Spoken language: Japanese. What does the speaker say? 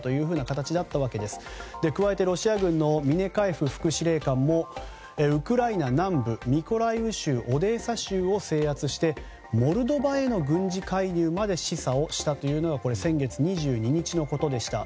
加えてロシア軍のミネカエフ副司令官もウクライナ南部ミコライウ州、オデーサ州を制圧して、モルドバへの軍事介入まで示唆したというのが先月２２日のことでした。